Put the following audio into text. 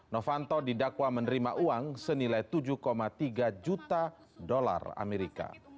novanto didakwa menerima uang senilai tujuh tiga juta dolar amerika